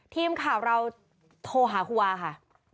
ทีมข่าวเราโทรหาครูวาค่ะ